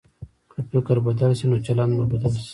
که فکر بدل شي، نو چلند به بدل شي.